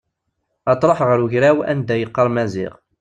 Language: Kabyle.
Ad truḥ ɣer ugraw anda yeɣɣar Maziɣ.